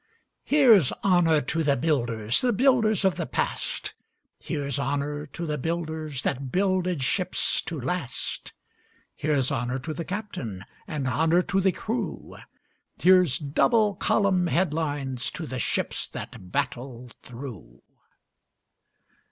Here's honour to the builders – The builders of the past; Here's honour to the builders That builded ships to last; Here's honour to the captain, And honour to the crew; Here's double column headlines To the ships that battle through.